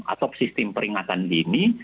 atau sistem peringatan dini